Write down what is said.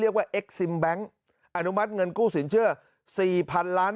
เรียกว่าเอ็กซิมแบงค์อนุมัติเงินกู้สินเชื่อสี่พันล้าน